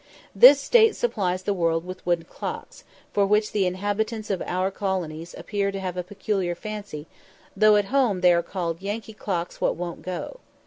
This state supplies the world with wooden clocks, for which the inhabitants of our colonies appear to have a peculiar fancy, though at home they are called "Yankee clocks what won't go."